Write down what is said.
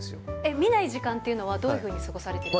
見ない時間というのは、どういうふうに過ごされてるんですか？